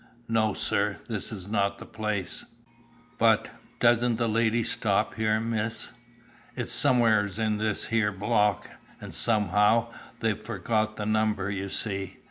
"No, sir; this is not the place." "But, doesn't the lady stop here, Miss? It's some'res in this here block, and somehow they've forgot the number, you see.